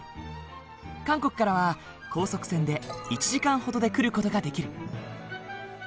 韓国からは高速船で１時間ほどで来る事ができる。